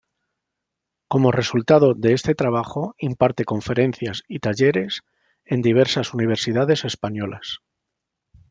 Como resultado de este trabajo imparte conferencias y talleres en diversas universidades españolas.